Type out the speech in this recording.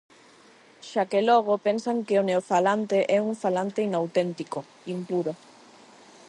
Xa que logo, pensan que o neofalante é un falante inauténtico, impuro.